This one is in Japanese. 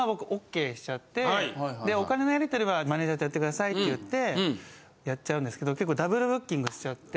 でお金のやり取りはマネジャーとやってくださいって言ってやっちゃうんですけど結構ダブルブッキングしちゃって。